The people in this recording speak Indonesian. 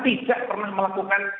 itu juga tidak boleh disimpulkan